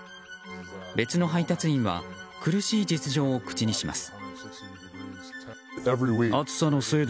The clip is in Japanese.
別の配達員は苦しい実情を口にします。